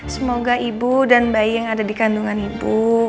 semoga ibu dan bayi yang ada dikandungan ibu